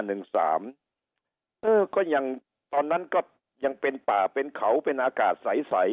เออก็ยังตอนนั้นก็ยังเป็นป่าเป็นเขาเป็นอากาศใส